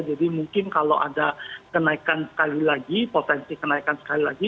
jadi mungkin kalau ada kenaikan sekali lagi potensi kenaikan sekali lagi